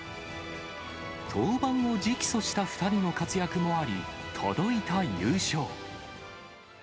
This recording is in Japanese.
登板を直訴した２人の活躍もあり、届いた優勝。